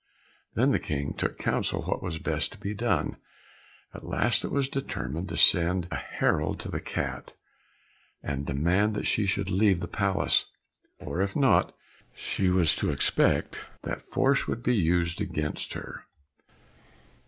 Then the King took counsel what was best to be done; at last it was determined to send a herald to the cat, and demand that she should leave the palace, or if not, she was to expect that force would be used against her.